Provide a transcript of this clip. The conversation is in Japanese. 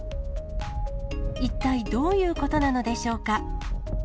一体どういうことなのでしょうか。